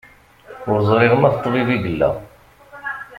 Ur ẓriɣ ma d ṭṭbib i yella.